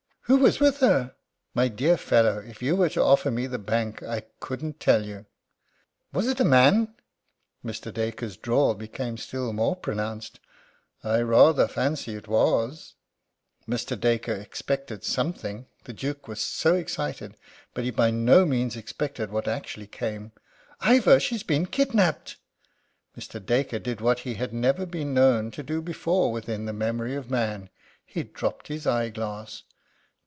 "Who was with her?" "My dear fellow, if you were to offer me the bank I couldn't tell you." "Was it a man?" Mr. Dacre's drawl became still more pronounced: "I rather fancy that it was." Mr. Dacre expected something. The Duke was so excited. But he by no means expected what actually came: "Ivor, she's been kidnapped!" Mr. Dacre did what he had never been known to do before within the memory of man he dropped his eye glass.